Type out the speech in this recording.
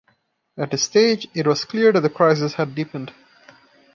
At this stage, it was clear that the crisis had deepened.